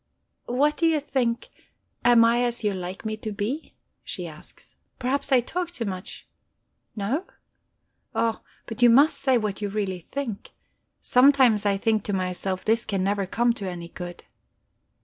"What do you think am I as you like me to be?" she asks. "Perhaps I talk too much. No? Oh, but you must say what you really think. Sometimes I think to myself this can never come to any good..."